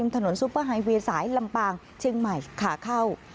ซุปเปอร์ไฮเวย์สายลำปางเชียงใหม่ขาเข้า